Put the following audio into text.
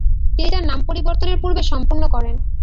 তিনি তার নাম পরিবর্তনের পূর্বে সম্পন্ন করেন।